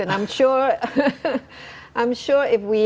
saya percaya pada anda